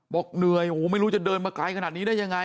บอกเหนื่อยโอ้โหไม่รู้จะเดินมาไกลขนาดนี้ได้ยังไง